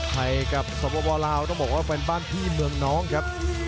ไทยกับสวลาวต้องบอกว่าแฟนบ้านพี่เมืองน้องครับ